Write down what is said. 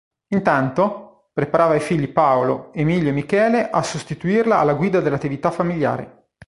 Intanto, preparava i figli Paolo, Emilio e Michele a sostituirla alla guida dell'attività familiare.